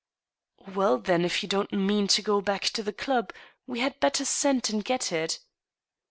" Well, then, if you don't mean to go back to the club, we had better send and get it."